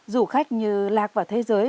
dù khách như lạc vào thế giới